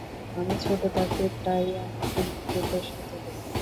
আমি ছোট থাকতে প্রায়ই আমাকে নিয়ে যেত সাথে করে।